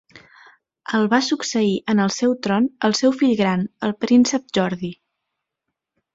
El va succeir en el tron el seu fill gran, el príncep Jordi.